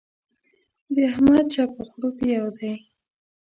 د احمد چپ و غړوپ يو دی.